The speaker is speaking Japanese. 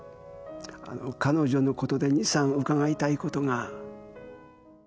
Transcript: あのー彼女のことで二、三伺いたいことが。